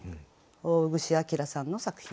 大串章さんの作品です。